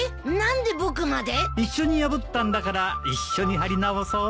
一緒に破ったんだから一緒に張り直そう。